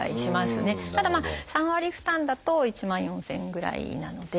ただ３割負担だと１万４，０００円ぐらいなので。